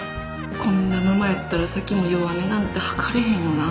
こんなママやったら咲妃も弱音なんて吐かれへんよな。